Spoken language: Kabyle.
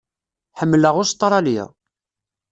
Ḥemmleɣ Ustṛalya.